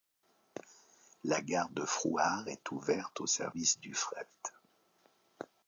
La gare de Frouard est ouverte au service du fret.